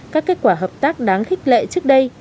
các kết quả hợp tác đáng khích lệ trước đây